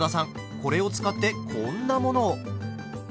これを使ってこんなものを。